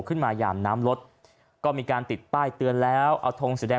หมามน้ำรถก็มีการติดป้ายเตือนแล้วเอาทงสีแดง